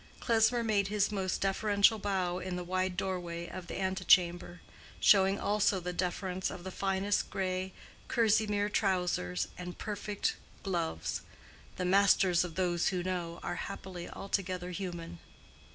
Klesmer made his most deferential bow in the wide doorway of the antechamber—showing also the deference of the finest gray kerseymere trousers and perfect gloves (the 'masters of those who know' are happily altogether human).